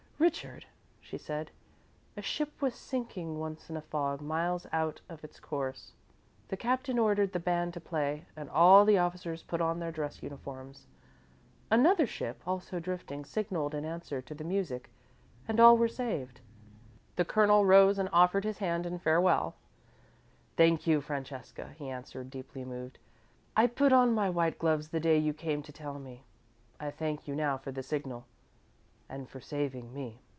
"Richard," she said, "a ship was sinking once in a fog, miles out of its course. The captain ordered the band to play and all the officers put on their dress uniforms. Another ship, also drifting, signalled in answer to the music and all were saved." The Colonel rose and offered his hand in farewell. "Thank you, Francesca," he answered, deeply moved. "I put on my white gloves the day you came to tell me. I thank you now for the signal and for saving me."